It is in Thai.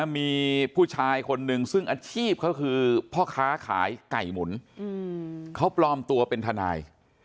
มีผู้ชายคนนึงซึ่งอาชีพเขาคือพ่อค้าขายไก่หมุนเขาปลอมตัวเป็นทนาย